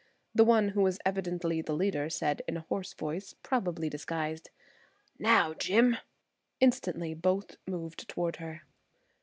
The one who was evidently the leader said in a hoarse voice, probably disguised: "Now, Jim." Instantly both moved toward her.